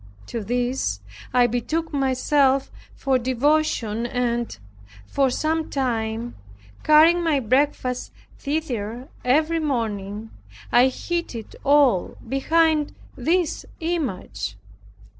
To this I betook myself for devotion and, for some time, carrying my breakfast thither every morning, I hid it all behind this image.